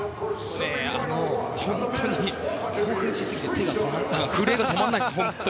本当に興奮しすぎて震えが止まらないです。